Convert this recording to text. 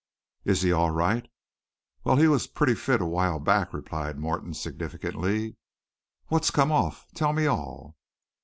"Is he all right?" "Wal, he was pretty fit a little while back," replied Morton significantly. "What's come off? Tell me all."